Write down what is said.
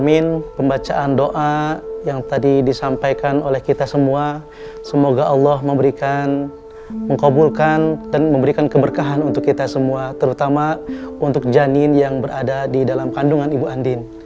kisah kisah allah yang diberikan kepada kita semua semoga allah memberikan mengkabulkan dan memberikan keberkahan untuk kita semua terutama untuk janin yang berada di dalam kandungan ibu andin